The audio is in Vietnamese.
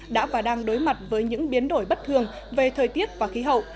đã và đang đối mặt với những biến đổi bất thường về thời tiết và khí hậu